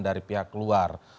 dari pihak luar